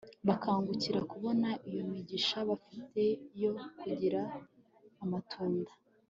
bakangukira kubona iyo migisha bafite yo kugira amatunda